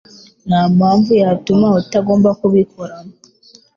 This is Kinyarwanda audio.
Nta mpamvu yatuma utagomba kubikora.